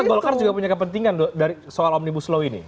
tapi golkar juga punya kepentingan soal omnibus law ini